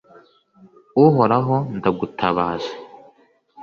uhoraho, ndagutabaza